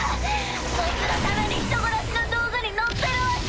そいつのために人殺しの道具に乗ってるわけ？